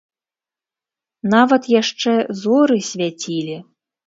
Нават яшчэ зоры свяцілі.